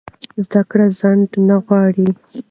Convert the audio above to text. زده کړه ځنډ نه غواړي.